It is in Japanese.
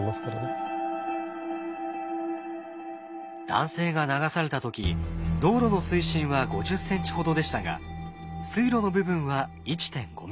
男性が流された時道路の水深は５０ｃｍほどでしたが水路の部分は１．５ｍ。